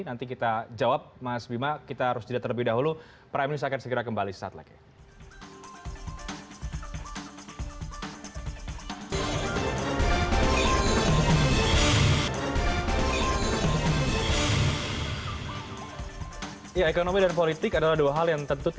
nanti kita jawab mas bima kita harus jelaskan terlebih dahulu